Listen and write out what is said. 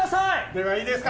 ではいいですか？